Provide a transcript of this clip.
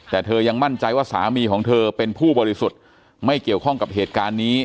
แต่เธอยังมั่นใจว่าสามีของเธอเป็นผู้บริสุทธิ์ไม่เกี่ยวข้องกับเหตุการณ์นี้